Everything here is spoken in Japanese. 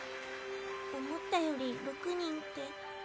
思ったより６人って。